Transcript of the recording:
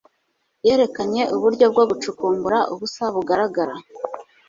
Yerekanye uburyo bwo gucukumbura ubusa bugaragara